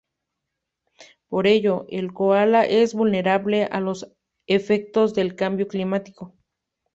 Por ello, el koala es vulnerable a los efectos del cambio climático.